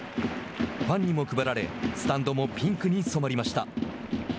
ファンにも配られスタンドもピンクに染まりました。